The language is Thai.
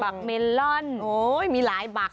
บัตรเมล่นโอ้ยมีหลายบัตร